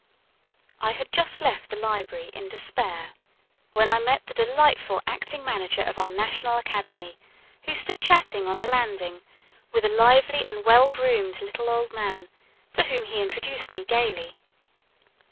I had just left the library in despair, when I met the delightful acting manager of our National Academy, who stood chatting on a landing with a lively and well groomed little old man, to whom he introduced me gaily.